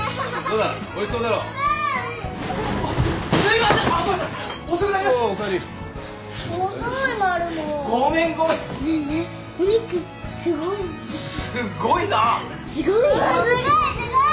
うんすごいすごい。